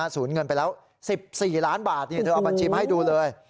สูญเงินไปแล้ว๑๔ล้านบาทเธอเอาบัญชีมาให้ดูเลย